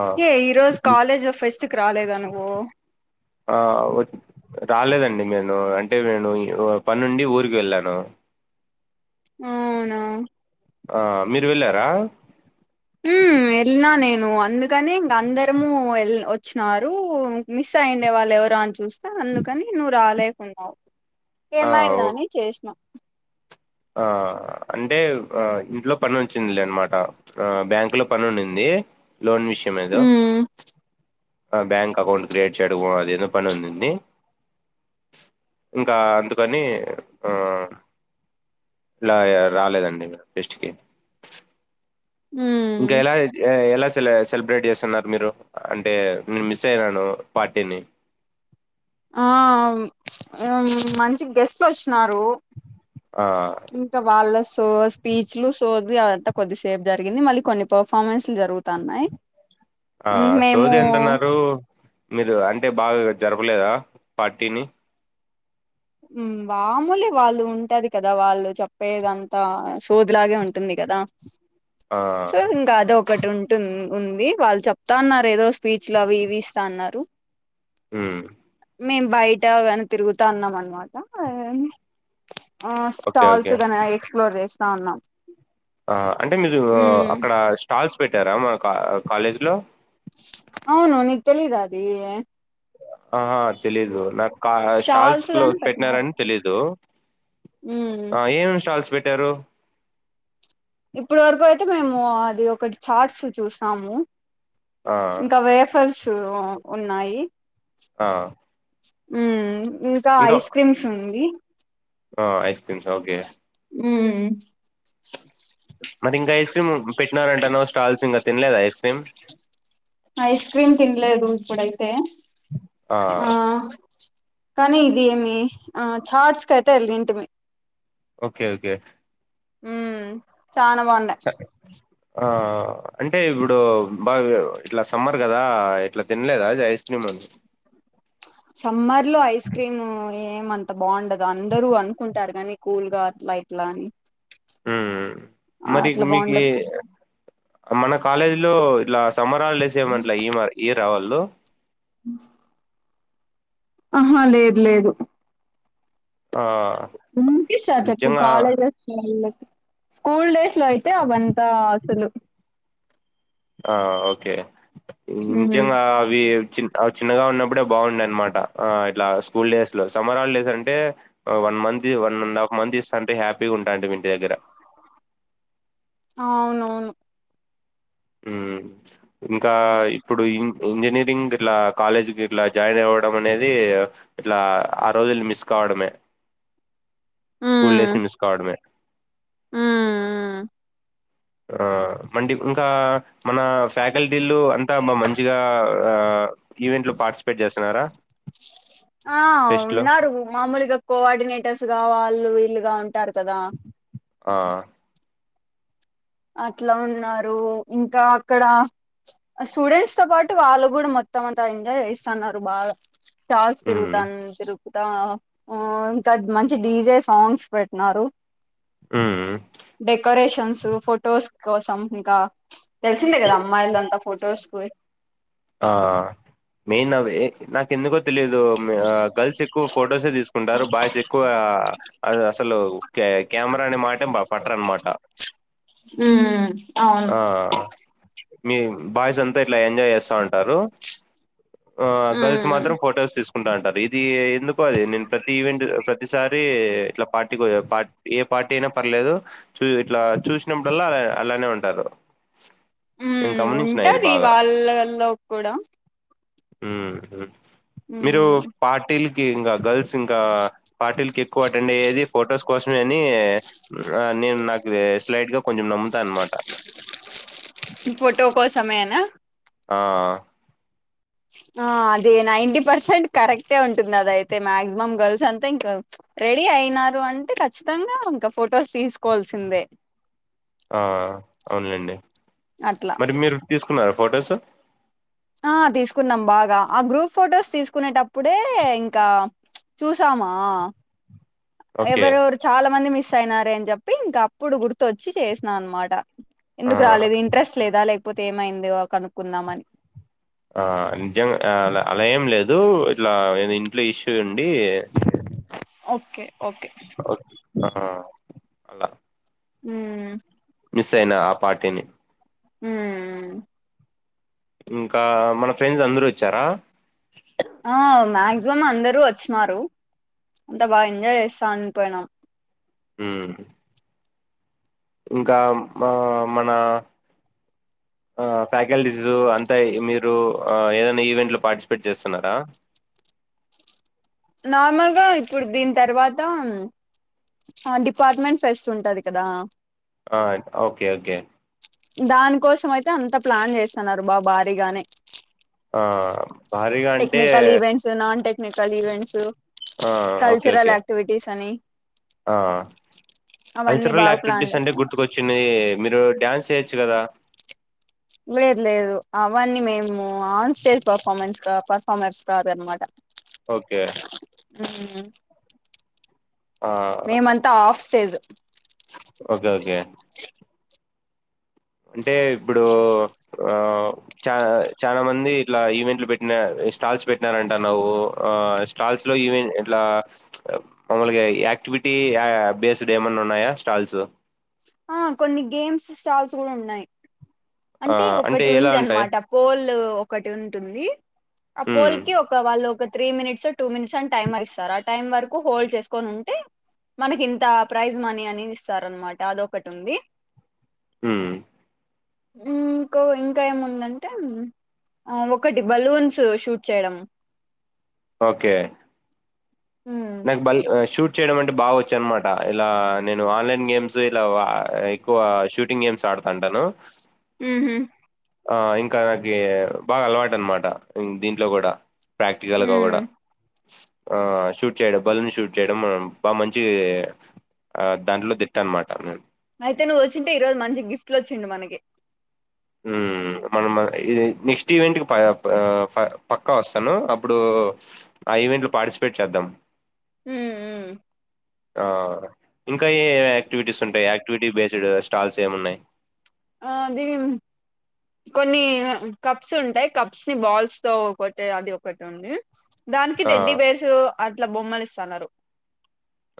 ఆ ఏ ఈరోజు కాలేజ్ ఫెస్ట్ కి రాలేదా అ నువ్వు ఆ రాలేదండి నేను అంటే నేను పనుండి ఊరుకి వెళ్ళను అవునా ఆ మీరు వెళ్ళారా ఉమ్ వెళ్ళినా నేను అందుకని ఇంక అందరము వచ్చినారు మిస్ అయిండే వాళ్ళు ఎవరు అని చూస్తే అందుకని నువ్వు రాలేకున్నావు ఆ ఏమైంద ఓ అని చేసినా ఆ అంటే ఆ ఇంట్లో పని వచ్చిందిలే అన్నమాట ఆ బ్యాంకు లో పని ఉండింది లోన్ విషయం ఏదో ఉమ్ ప్చ్ ఆ బ్యాంక్ అకౌంట్ క్రియేట్ చేయడమో, అదేదో పని ఉండింది. స్ ఇంకా అందుకని ఆ ఇలా ఇగ రాలేదండిగా. టెస్ట్ కి ఇంకా ఉమ్ ఎలా ఇగ్ ఏ ఎలాస్ సెల్లే సెల్ బ్రేట్ చేస్తున్నారు మీరు. అంటే మీ మిస్ అయినాను పార్టీని. ఆ ఇగ మంచి గెస్ట్లు వస్ నారు ఆ ఇంకా వాళ్ళస్ తో స్పీచ్ లు, సోది అదంతా కొద్దిసేప్ జరిగింది. మళ్ళీ కొన్ని పర్ఫార్మెన్స్, జరుగుతన్నాయ్. ఆ సోది అంటన్నారు. మీరు అంటే బాగా జరప్ పూలేదా పార్టీని ఉమ్ వాముూలే వాళ్ళు ఉంటది కదా. వాళ్ళు చెప్పేదంతా సోద్లాగే ఉంటుందిగ. గాదా ఆ సో ఇంకా అదోకటి ఉంటున్ ఉంది వాళ్ళు చెప్తా అన్నారు, ఏదో స్పీచ్ లో అవి ఇవి ఇస్తాన్నారు. ఉహ్ మేం బయట వెన్ తిరుగుతా ఉన్నాం అనమాట. ఆ ఆ ఓకే స్టాల్స్ ఓకే గానే ఎక్స్ప్లోర్ చేస్తా ఉన్నాం. ఆ అంటే మీరు హ్మ్ అక్కడ స్టాల్స్ పెట్టారా? మా కాలేజ్ లో అవును నీకు తెలిదా అది. ఆహా తెలీదు. నాకా స్టాల్స్ క్లో గాని పెట్టినారు పెట్నారని తెలీదు. ప్చ్ హ్మ్ ఆ ఏమేం స్టాల్స్ పెట్టారు? ఇప్పుడు వరకు అయితే మేము, అది ఒకటి చార్ట్స్ చూసాము. ఆ ఇంకా వేఫర్స్ ఉ ఉన్నాయి. ఆ ఉమ్ ఇంకా ఐస్ క్రీమ్స్ ఉంది, ఆ ఐస్ క్రీమ్స్ ఓకే ఉహ్మ్ మరి ఇంకా ఐస్ క్రీమ్ పెట్నారంటనవ్, స్టాల్స్ ఇంగా తిన్లేదా ఐస్ క్రీమ్? ఐస్ క్రీమ్ తిన్లేదు. ఇప్పుడైతే ఆ కానీ ఇది ఏమి. ఆ చార్ట్స్ కైతే ఎల్ ఇంటిమి. ఓకే ఓకే ఉమ్ చానా బావుండే ఆ అంటే ఇప్డు బాగ్ ఇట్లా సమ్మర్ గాదా, ఇట్లా తిన్లేదా అద్ ఐస్ క్రీము? ప్చ్ సమ్మర్లో ఐస్ క్రీమ్ ఏమంత బావుండదు. అందరూ అనుకుంటారు గానీ కూల్గా అట్లా ఇట్లా అని ఉహ్మ్ ఆ మరి ఇప్ అట్లా మీకి. బాగుండదు మన కాలేజ్ లో ఇట్లా స్ సమ్మర్ హాలిడేస్ ఏమట్లా ఇమ ఇయ్యారా. వాళ్ళు? ఉహ్ ఆహా లేద్ లేదు ఆహా ఉంకిస్తార్ చెప్పు కాలేజస్ల లో స్కూల్ డేస్లో అయితే అవంతా అసలు. ఆ ఓకే మ్మ్ నిజంగా అవి చిన్ అవి చిన్నగా ఉన్నప్పుడే బావుండే అన్మాట. ఆ ఇట్లా స్కూల్ డేస్ లో, సమ్మర్ హాలిడేస్ అంటే, ఆ వన్ మంత్ తి వన్ అండ్ హాఫ్ మంత్ ఇస్తాంటే, హ్యాపీగా ఉంటాంటిమీ ఇంటి దగ్గర. ఆ అవునవును ప్చ్ ఇంకా ఇప్పుడు ఇం ఇంజనీరింగ్ గిట్లా, కాలేజ్ గిట్లా, జాయిన్ అవ్వడం అనేది ఇట్లా ఆ రోజులు మిస్ కావడమే స్కూల్ డేస్ ని మిస్ కావడమే మ్మ్ మ్మ్ ఆ మండి ఇంకా మన ఫ్యాకల్టీలు అంతా మంచిగా ఈవెంట్లు పార్టిసిపేట్ చేస్తున్నారా ఆ ఫెస్ట్ లో ఉన్నారు మామూలుగా కోఆర్డినేటర్స్ గా వాళ్ళు వీళ్ళుగా ఉ టారు కదా ఆ అట్లా ఉన్నారు ఇంకా అక్కడ స్టూడెంట్స్ తో పాటు వాళ్ళు కూడా మొత్తం అంతా ఎంజాయ్ చేస్తన్నారు బాగా సార్స్ హ్మ్ తిరుగుతాను తిరుగు ఇకా ఇంకా మంచి డీజే సాంగ్స్ పెట్టినారు హ్మ్ డెకరేషన్స్ ఫొటోస్ కోసం ఇంకా తెలిసిందే కదా అమ్మాయిలది అంతా ఫొటోస్వి ఆ మెయిన్ అవి నాకు ఎందుకొ తెలిదు గర్ల్స్ ఎక్కువ ఫొటోసే తీసుకుంటారు బాయ్స్ ఎక్కువ అసలు కెమెరా అనే మాటే పట్టరనమాటా అ ఆ మీ బాయ్స్ అంతా ఇట్లా ఎంజాయ్ చేస్తా ఉంటారు గర్ల్స్ ఉమ్ మాత్రం ఫొటోస్ తీసుకుంట ఉంటారు ఇది ఎందుకు అది నేను ప్రతి ఈవెంట్ ప్రతిసారి ఇట్లా పార్టీకి ఏ పార్టీ అయినా పర్లేదు చూ ఇట్లా చూసినప్పుడల్లా అలానే ఉంటారు [inaudible] నేను హ్మ్ గమనించిన ఇది ఉంటాది బాగా వాళ్ళలో కూడా హ్మ్ హ్మ్ మీరు ఉమ్ పార్టీల్ ఇంగ గర్ల్స్ ఇంకా పార్టీల్ కి ఎక్కువ అటెండ్ అయ్యేది ఫొటోస్ కోసమే అని నేను నాకు స్లైట్ గా కొంచెం నమ్ముతా అనమాట ఫోటో కోసమే అనా ఆ [inaudible] ఆ అదే నైనీటీ పర్సెంట్ కరెక్టే ఉంటుంది అదైతే మాక్సిమం గర్ల్స్ అంతా ఇంకా రెడీ అయినారు అంటే ఖచ్చితంగా ఇంక ఫొటోస్ తీసుకోవాల్సిందే ఆ అవునులేండి అట్లా మరి మీరు తీసుకున్నారా ఫొటోసు ఆ తీసుకున్నాం బాగా ఆ గ్రూప్ ఫొటోస్ తీసుకునేటప్పుడే ఇంకా చూసామా ఓకే ఎవరెవరు చాలా మంది మిస్ అయినారే అని చెప్పి ఇంక అప్పుడు గుర్తొచ్చి చేసినా అనమాట ఆ ఎందుకు రాలేదు ఇంట్రెస్ట్ లేదా లేకపోతే ఏమైందో కనుక్కుందామని ఆ నిజంగా అలా ఏం లేదు ఇట్లా ఇంట్లో ఇష్యూ ఉండీ ఓకే ఓకే ఆ అలా హ్మ్ మిస్ అయినా ఆ పార్టీని హ్మ్ ఇంకా మన ఫ్రెండ్స్ అందరూ వచ్చారా ఆ మాక్సిమం అందరూ వచ్చినారు అంటే బాగా ఎంజాయ్ చేస్తా అని పోయినాం హ్మ్ ఇంకా మా మన [inaudible] ఆ ఫ్యాకల్టీసు అంతా మీరు ఏదైనా ఈవెంట్లు పార్టిసిపేట్ చేస్తున్నారా [inaudible] నార్మల్ గా ఇప్పుడు దీని తర్వాత ఆ డిపార్ట్మెంట్ ఫస్ట్ ఉంటది కదా ఆ ఓకే ఓకే దాని కోసం అయితే అంత ప్లాన్ చేస్తున్నారు బా భారీగానే ఆ భారీగా అంటే technical events non technical events ఆ! ఓకే. Cultural okay. యాక్టివిటీస్ అని ఆ అవన్నీ కల్చరల్ బాగా ప్లాన్ యాక్టివిటీస్ అంటే చేస్తున్నారు గుర్తుకొచ్చింది మీరు డ్యాన్స్ చే చ్చు కదా లేదు లేదు అవన్నీ మేము ఆన్ స్టేజ్ పర్ఫార్మెన్స్ క పర్ఫార్మెఫార్మస్ కదనమాట ఓకే హుమ్ ఆ! మేమంతా ఆఫ్ స్టేజ్ ఓకే ఓకే అంటే ఇప్పుడు ఆ చా చాలా మంది ఇట్లా ఈవెంట్లు పెట్టిన స్టాల్స్ పెట్టినారంటన్నావు ఆ స్టాల్స్ లో ఈవెన్ ఇట్లా మమ్మల్గాయా క్టివిటీ బేస్డ్ ఏమన్నా ఉన్నాయా స్టాల్స్ ఆ కొన్ని గేమ్స్ స్టాల్స్ కూడా ఉన్నాయి ఆ అంటే ఒకటి ఎలా ఉంది ఉంటాయి అనమాట పోల్ ఒకటి ఉంటుంది ఆ ఉమ్ పోల్ కి వాళ్ళు ఒక త్రీ మినిట్స్ టూ మినిట్స్ అని టైమర్ ఇస్తారు ఆ టైమ్ వరకు హోల్డ్ చేసుకుని ఉంటే మనకి ఇంత ప్రైజ్ మనీ అనిది ఇస్తారనమాట అదొకటి ఉంది హుమ్ ఇంకో ఇంకా ఏముందంటే ఆ ఒకటి బలూన్స్ షూట్ చేయడం ఓకే ఉమ్ నాక్ బల్ ఆ షూట్ చేయడం అంటే బాగా వచ్చు అనమాట ఇలా నేను ఆన్లైన్ గేమ్స్ ఇలా ఆ ఎక్కువ షూటింగ్ గేమ్స్ ఆ డతాంటను మ్ హు ఆ ఇంకా నకి బాగా అలవాటు అనమాట దీంట్లో కూడా ప్రాక్టికల్గా కూడా ఉమ్ ఆ షూట్ చేయడం బలన్ షూట్ చేయడం బా మంచి ఆ దాంట్లో దిట్ట అనమాట నేను అయితే నువ్వు వచ్చింటే ఈ రోజు మంచి గిఫ్ట్ వచ్చిండు మనకి హుమ్ మనం ఇ నెక్స్ట్ ఈవెంట్ కి పప్ పక్కా వస్తాను అప్పుడు ఆ ఈవెంట్లో పార్టిసిపేట్ చేద్దాం మ్ మ్ ఆ ఇంకా ఏ యాక్టివిటీస్ ఉంటాయ్ యాక్టివిటీ బేస్డ్ స్టాల్స్ ఏమున్నాయి ఆది కొన్ని కప్స్ ఉంటాయ్ కప్స్ ని బాల్స్ తో ఒకటే అది ఒకటి ఉంది దానికి ఆ డెడ్డి బేర్స్ అట్లా బొమ్మలు ఇస్తన్నారు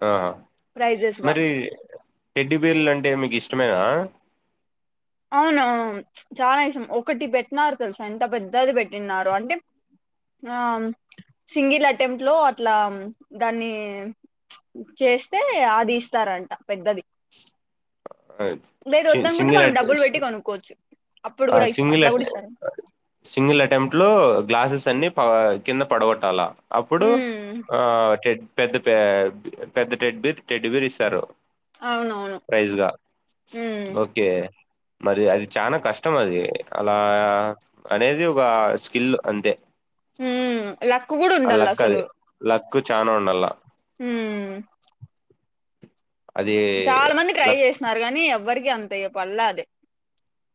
ఆ ప్రైజెస్ గా మరి టెడ్డి బెర్లు అంటే మీకు ఇష్ ష్టమేనా అవునువు చాలా ఇష్టం ఒకటి పెట్టినరూ తెలుసా ఎంత పెద్దది పెట్టినారో అంటే ఆ సింగిల్ అటెంప్ట్ లో అట్లా దాన్ని చేస్తే అది ఇస్తారంట పెద్దది ఆ లేదు చ్ వద్దనుకుంటే సింగిల్ మనం ఐ డబ్బులు పెట్టి కొనుక్కోవచ్చు అప్పుడు ఆ కూడా ఇస్తా సింగిల్ అ అట్లా కూడా ఇస్తారు సింగిల్ అటెంప్ట్ లో గ్లాసెస్ అన్ని ప కింద పడగొట్టాల అప్పుడు ఉమ్ ఆ టె పెద్ద పె పెద్ద టెడ్డి బీర్ టెడ్డిబీర్ ఇస్తారు అవునవును ప్రైజ్గా ఉమ్ ఓకే మరి అది చానా కష్టం ష్టం అది అలా అనేది ఒక స్కిల్ అంతే హ లక్ కూడా ఉండాల అసలు కు చానా ఉండాల హ అది చాలా మంది ట్రై లక్ చేసన్నారు కానీ ఎవ్వరికి అంతయ్య పళ్ళ అదే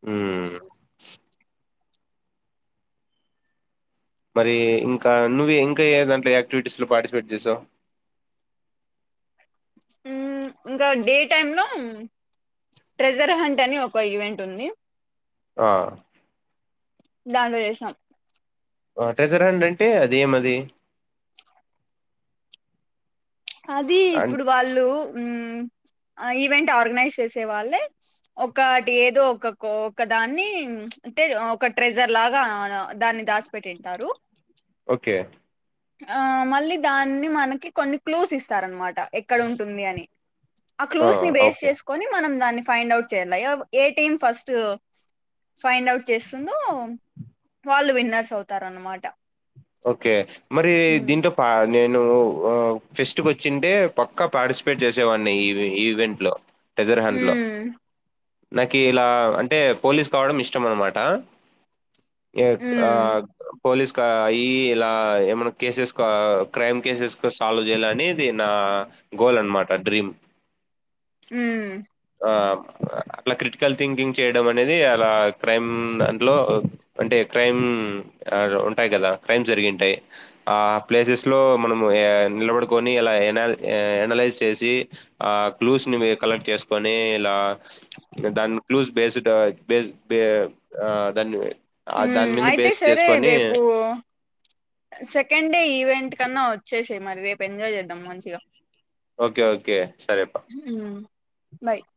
అ మరి ఇంకా నువ్వు ఇంకా ఏ దాంట్లో యాక్టివిటీస్ లో పార్టిసిపేట్ చేసావు ఇంకా డే టైమ్ లో ట్రెజర్ హంట్ అని ఒక ఈవెంట్ ఉంది ఆ దాంట్లో చేసాం వాటేజరాండ్ అంటే అదేమది అది అన్ ఇప్పుడు వాళ్ళు ఉ ఆ ఈవెంట్ ఆర్గనైజ్ చేసే వాళ్ళే ఒకటి ఏదో ఒక ఒకదాన్ని అంటే ఒక ట్రెజర్ లాగా దాన్ని దాచిపెట్టింటారు ఓకే ఆ మళ్ళీ దాన్ని మనకి కొన్ని క్లూస్ ఇస్తార అనమాట ఎక్కడ ఉంటుంది అని ఆ క్లూస్ ని బేస్ చేసుకొని మనం దాన్ని ఫైండ్ అవుట్ చేయాల ఎయిటీన్ ఫస్ట్ ఫైండ్ అవుట్ చేస్తుందో వాళ్ళు విన్నర్స్ అవుతారన్నమాట ఓకే మరి దీట్ పా నేను ఫెస్ట్ క వచ్చింటే పక్కా పార్టిసిపేట్ చేసేవాడి ఈ ఈవెంట్ లో హ నాకు ఇలా అంటే పోలీస్ కావడం ఇష్టం అన్నమాట ఏ మ్మ్ పోలీస్ ఇలా ఏమ కేసెస్ క్రైమ్ కేసెస్ సాల్వ్ చేయాల అనేది నా గోల్ అన్నమాట డ్రీమ్ హ్మ్మ్ ఆ అట్లా క్రిటికల్ థింకింగ్ చేయడం అనేది అలా క్రైమ్ అంట్లో అంటే క్రైమ్ ఉంటాయి కదా క్రైమ్ జరిగింటాయి ఆ ప్లేసెస్ లో మనము నిలబనిలా ఎనైజ్ చే ఆ క్లూస్ ని కలెక్ట్ చేసు పనే ఇలా దాని క్లూస్ బేస్డ్ బేస్ దాన్ని హ దాని మీద అయితే బేస్ సరే చేసుకొని రేపు సెకండ్ డే ఈవెంట్ కన్నా వచ్చేసి మరి రేపు ఎంజాయ్ చేద్దాం మంచిగా ఓకే ఓకే సరేపా హ బైక్